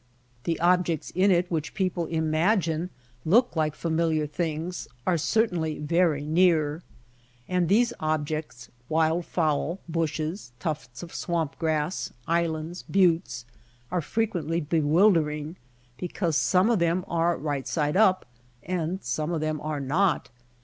The objects in it which people im agine look like familiar things are certainly very near. And these objects — wild fowl, bushes, tufts of swamp grass, islands, buttes — are fre quently bewildering because some of them are right side up and some of them are not.